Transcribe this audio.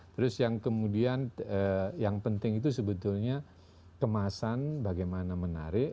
terus yang kemudian yang penting itu sebetulnya kemasan bagaimana menarik